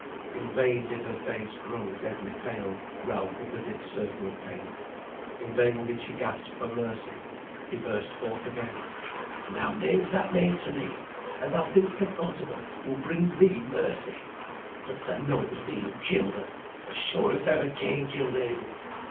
In vain did her face grow deadly pale round the vivid circle of paint, in vain did she gasp for mercy, he burst forth again. "And thou names that name to me! and thou thinks the thought of her will bring thee mercy! Dost thou know it was thee who killed her, as sure as ever Cain killed Abel.